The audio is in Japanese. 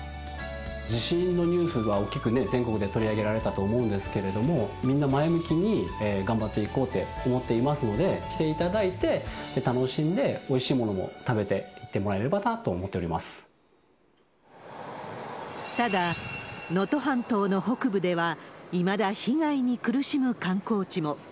地震のニュースが大きく全国で取り上げられたと思うんですけれども、みんな前向きに頑張っていこうって思っていますので、来ていただいて、楽しんで、おいしいものも食べていってもらえればなとただ、能登半島の北部では、いまだ被害に苦しむ観光地も。